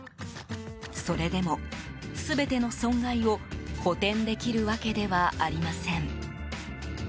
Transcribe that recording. それでも、全ての損害を補填できるわけではありません。